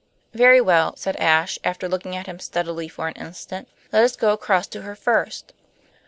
"Very well," said Ashe, after looking at him steadily for an instant. "Let us go across to her first."